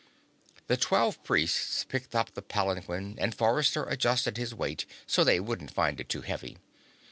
_" The twelve Priests picked up the palanquin and Forrester adjusted his weight so they wouldn't find it too heavy.